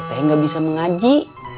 teh gak bisa mengaji